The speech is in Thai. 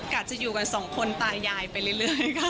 จะอยู่กันสองคนตายายไปเรื่อยค่ะ